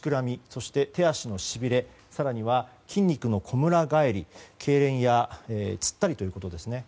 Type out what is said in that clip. そして、手足のしびれ更には筋肉のこむら返りけいれんやつったりということですね。